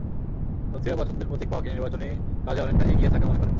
প্রার্থীরা পছন্দের প্রতীক পাওয়াকে নির্বাচনী কাজে অনেকটা এগিয়ে থাকা মনে করেন।